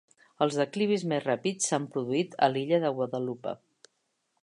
Els declivis més ràpids s"han produït a la illa de Guadalupe.